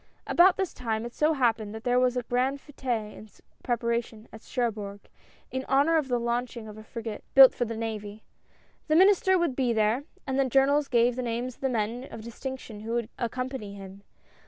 About this time, it so happened, that there was a grand f^te in preparation, at Cherbourg, in honor of the launching of a frigate, built for the navy. The Minister would be there, and the journals gave the names of the men of distinction who would accom pany him.